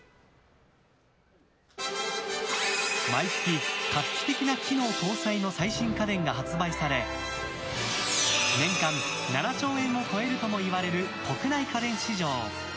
毎月、画期的な機能搭載の最新家電が発売され年間７兆円を超えるともいわれる国内家電市場。